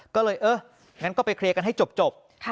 ก็เลยเอองั้นก็ไปเคลียร์กันให้จบ